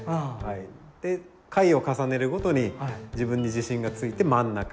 で回を重ねるごとに自分に自信がついて真ん中。